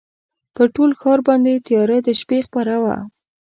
پر ټول ښار باندي تیاره د شپې خپره وه